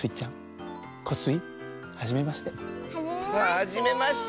はじめまして。